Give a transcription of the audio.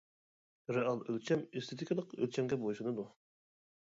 رېئال ئۆلچەم ئېستېتىكىلىق ئۆلچەمگە بوي سۇنىدۇ.